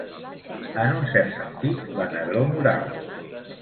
En un cert sentit, la negror moral.